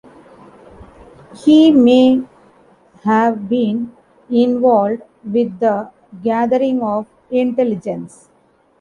He may have been involved with the gathering of intelligence.